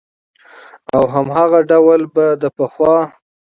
او هماغه ډول به د پخوا